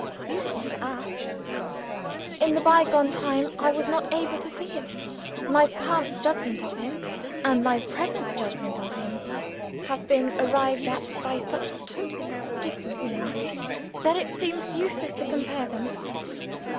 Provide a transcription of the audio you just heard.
Useless to ask! In the by gone time, I was not able to see it. My past judgment of him and my present judgment of him have been arrived at by such totally different means, that it seems useless to compare them.